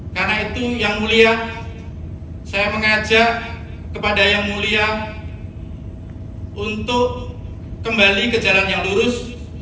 karena itu yang mulia saya mengajak kepada yang mulia untuk kembali ke jalan yang lurus